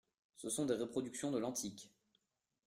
Ce sont des reproductions de l’antique.